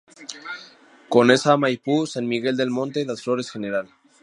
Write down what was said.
Conesa, Maipú, San Miguel del Monte, Las Flores, Gral.